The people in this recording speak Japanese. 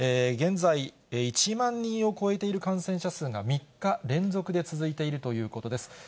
現在、１万人を超えている感染者数が３日連続で続いているということです。